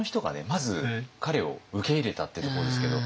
まず彼を受け入れたっていうところですけど。